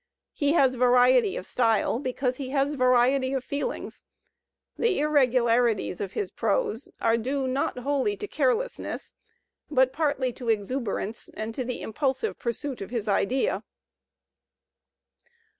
He has variety of style because he has variety of feelings. The irregularities of his prose are due not wholly to carelessness, but partly to exuberance and to the impulsive pursuit of his idea.